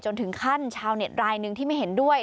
ถึงขั้นชาวเน็ตรายหนึ่งที่ไม่เห็นด้วย